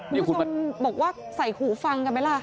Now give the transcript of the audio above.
นี่คุณบอกว่าใส่หูฟังกันไหมล่ะ